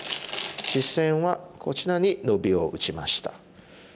実戦はこちらにノビを打ちました。